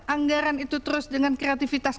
anggaran itu terus dengan kreativitas